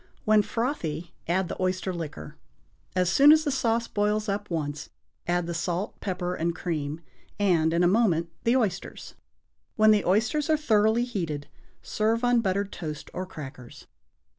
When frothy add the oyster liquor. As soon as the sauce boils up once, add the salt, pepper and cream, and, in a moment, the oysters. When the oysters are thoroughly heated, serve on buttered toast or crackers.